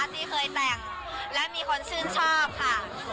ที่เคยแต่งและมีคนชื่นชอบค่ะ